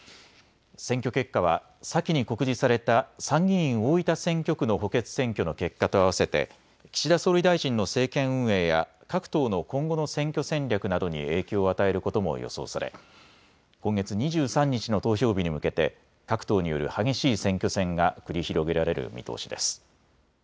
選挙結果は先に告示された参議院大分選挙区の補欠選挙の結果と合わせて岸田総理大臣の政権運営や各党の今後の選挙戦略などに影響を与えることも予想され今月２３日の投票日に向けて各党による激しい選挙戦が繰り広げられる見通しです。